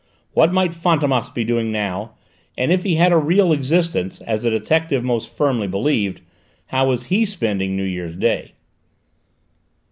What might Fantômas be doing now, and, if he had a real existence, as the detective most firmly believed, how was he spending New Year's Day?